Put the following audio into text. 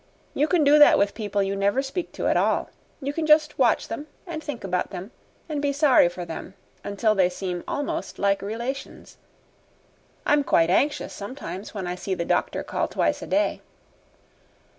You can do that with people you never speak to at all. You can just watch them, and think about them and be sorry for them, until they seem almost like relations. I'm quite anxious sometimes when I see the doctor call twice a day."